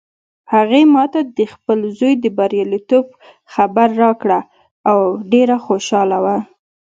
هغې ما ته د خپل زوی د بریالیتوب خبر راکړ او ډېره خوشحاله وه